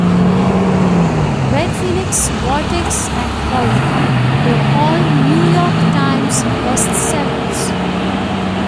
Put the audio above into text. "Red Phoenix", "Vortex", and "Cauldron" were all New York Times bestsellers.